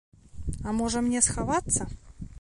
А можа, мне схавацца?